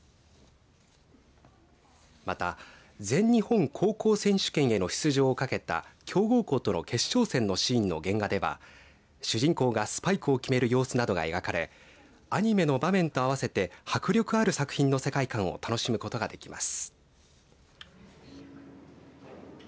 また、全日本高校選手権への出場をかけた強豪校との決勝戦のシーンの原画では主人公がスパイクを決める様子などが描かれアニメの場面とあわせて迫力ある作品の世界観を楽しむことができます。